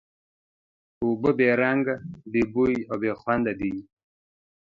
اوبه بې رنګ، بې بوی او بې خوند دي.